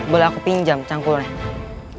boleh aku pinjam cangkulnya